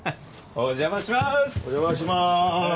お邪魔します。